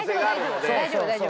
大丈夫大丈夫。